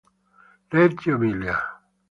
Reggio Emilia.